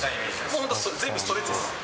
これ全部ストレッチです。